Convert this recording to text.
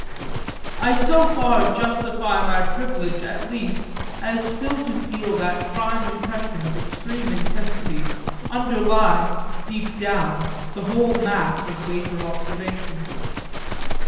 I so far justify my privilege at least as still to feel that prime impression, of extreme intensity, underlie, deep down, the whole mass of later observation.